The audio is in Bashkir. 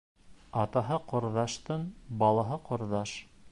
Атаһы ҡорҙаштың балаһы ҡорҙаш.